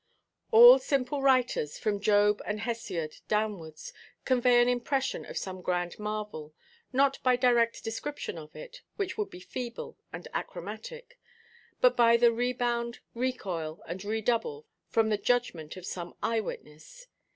All simple writers, from Job and Hesiod downwards, convey an impression of some grand marvel, not by direct description of it, which would be feeble and achromatic, but by the rebound, recoil, and redouble, from the judgment of some eye–witness.